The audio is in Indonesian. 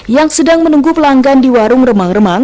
yang sedang menunggu pelanggan di warung remang remang